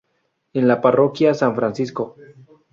En la Parroquia San Francisco.